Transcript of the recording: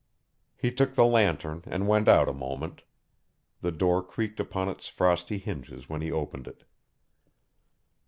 He took the lantern and went out a moment. The door creaked upon its frosty hinges when he opened it.